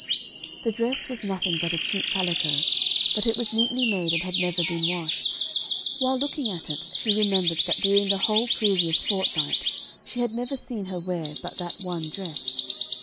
The dress was nothing but a cheap calico, but it was neatly made and had never been washed. While looking at it, she remembered that during the whole previous fortnight, she had never seen her wear but that one dress.